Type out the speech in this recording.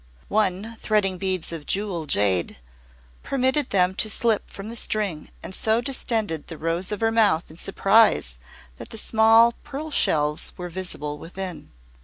One, threading beads of jewel jade, permitted them to slip from the string and so distended the rose of her mouth in surprise that the small pearl shells were visible within.